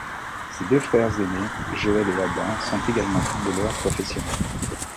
Ses deux frères aînés Joel et Adam sont également footballeurs professionnels.